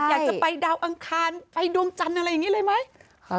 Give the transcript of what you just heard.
อยากจะไปดาวอังคารไปดวงจันทร์อะไรอย่างนี้เลยไหม